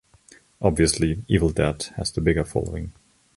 Obviously "Evil Dead" has the bigger following.